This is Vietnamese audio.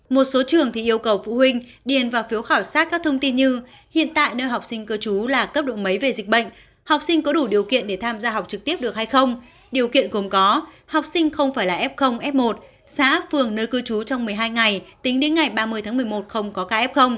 một số trường thì yêu cầu phụ huynh điền vào phiếu khảo sát các thông tin như hiện tại nơi học sinh cư trú là cấp độ mấy về dịch bệnh học sinh có đủ điều kiện để tham gia học trực tiếp được hay không điều kiện gồm có học sinh không phải là f f một xã phường nơi cư trú trong một mươi hai ngày tính đến ngày ba mươi tháng một mươi một không có ca f